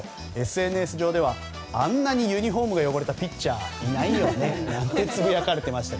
ＳＮＳ上ではあんなにユニホームが汚れたピッチャーはいないよねとつぶやかれていました。